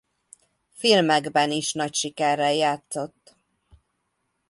Filmekben is nagy sikerrel játszott.